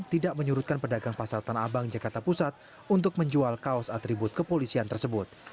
tidak menyurutkan pedagang pasar tanah abang jakarta pusat untuk menjual kaos atribut kepolisian tersebut